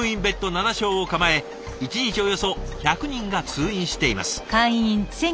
７床を構え一日およそ１００人が通院しています。